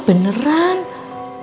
liches si salah punkus